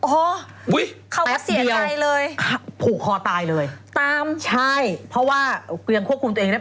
โอ้โฮแป๊บเดียวผูกคอตายเลยใช่เพราะว่ายังควบคุมตัวเองแล้ว